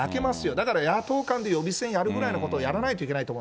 だから野党間で予備選やるぐらいのことをやらないといけないと思